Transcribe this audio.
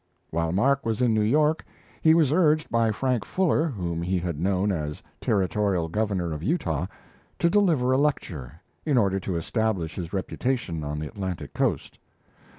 While Mark was in New York, he was urged by Frank Fuller, whom he had known as Territorial Governor of Utah, to deliver a lecture in order to establish his reputation on the Atlantic coast.